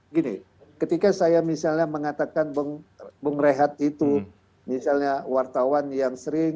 gini ketika saya misalnya mengatakan bung rehat itu misalnya wartawan yang sering